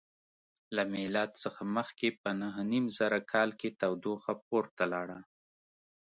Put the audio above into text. له میلاد څخه مخکې په نهه نیم زره کال کې تودوخه پورته لاړه.